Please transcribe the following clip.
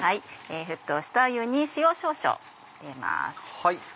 沸騰した湯に塩少々入れます。